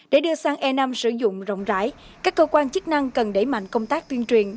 để đưa sang e năm sử dụng rộng rãi các cơ quan chức năng cần đẩy mạnh công tác tuyên truyền